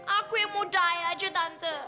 aku yang mau mati aja tante